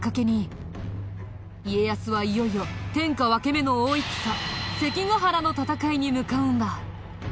家康はいよいよ天下分け目の大戦関ヶ原の戦いに向かうんだ。